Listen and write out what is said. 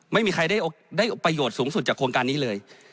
ไม่มีใครได้ประโยชน์สูงสุดจากโครงการนี้เลย